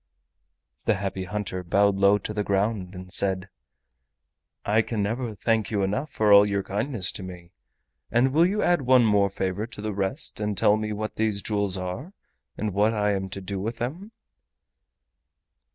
The Happy Hunter bowed low to the ground and said: "I can never thank you enough for all your kindness to me. And now will you add one more favor to the rest and tell me what these jewels are and what I am to do with them?"